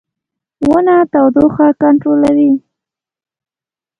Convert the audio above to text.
• ونه تودوخه کنټرولوي.